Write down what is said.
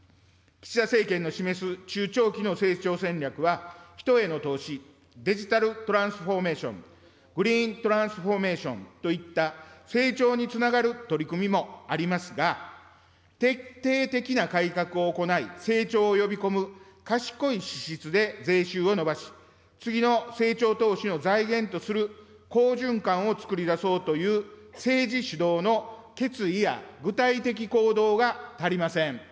岸田政権の示す中長期の成長戦略は人への投資、デジタルトランスフォーメーション、グリーントランスフォーメーションといった成長につながる取り組みもありますが、徹底的な改革を行い、成長を呼び込む賢い支出で税収を伸ばし、次の成長投資の財源とする好循環を作り出そうという政治主導の決意や具体的行動が足りません。